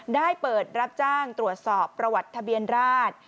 ได้เปิดรับจ้างตรวจสอบประวัติทะเบียนราช